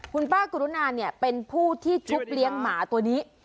คุณป้ากรุณาเนี่ยเป็นผู้ที่ชุบเลี้ยงหมาตัวนี้